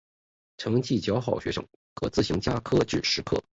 成绩较好学生可自行加科至十科。